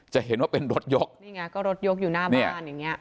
จะเห็นว่าเป็นรถยกนี่ไงก็รถยกอยู่หน้าบ้านอย่างเงี้